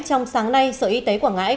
trong sáng nay sở y tế quảng ngãi